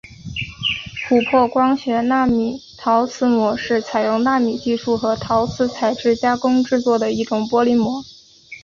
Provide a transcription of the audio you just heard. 琥珀光学纳米陶瓷膜是采用纳米技术和陶瓷材质加工制作的一种玻璃膜。